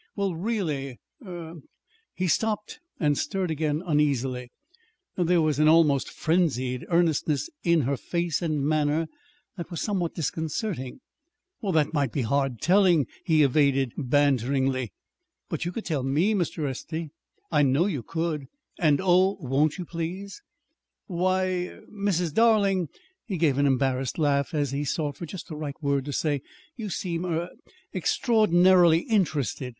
"Well, really er " He stopped and stirred again uneasily there was an almost frenzied earnestness in her face and manner that was somewhat disconcerting. "That might be hard telling," he evaded banteringly. "But you could tell me, Mr. Estey. I know you could. And, oh, won't you, please?" "Why, er Mrs. Darling!" He gave an embarrassed laugh as he sought for just the right word to say. "You seem er extraordinarily interested."